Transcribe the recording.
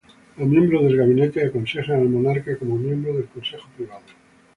Los miembros del gabinete aconsejan al monarca como miembros del Consejo Privado.